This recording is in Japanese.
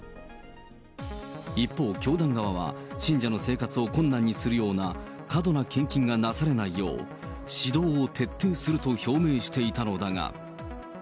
一方、教団側は、信者の生活を困難にするような過度な献金がなされないよう、指導を徹底すると表明していたのだが。